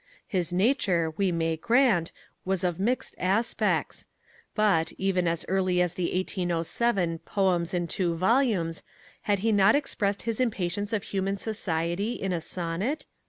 His nature, we may grant, was of mixed aspects, but, even as early as the 1807 Poems in Two Volumes had he not expressed his impatience of human society in a sonnet?